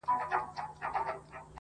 د الف لیله و لیله د کتاب د ریچارډ!!